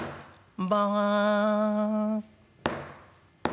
「んばんは」。